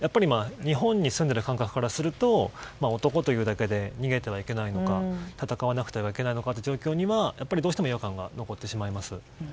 日本に住んでいる感覚からすると男というだけで逃げてはいけないのか戦わなくてはいけないのかという状況にはどうしても違和感が残ってしまいます。